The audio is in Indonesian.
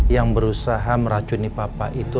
yang berusaha meracuni papa itu